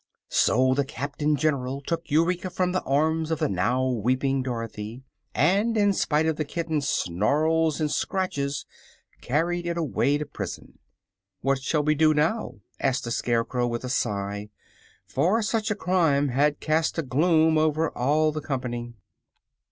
So the Captain General took Eureka from the arms of the now weeping Dorothy and in spite of the kitten's snarls and scratches carried it away to prison. "What shall we do now?" asked the Scarecrow, with a sigh, for such a crime had cast a gloom over all the company.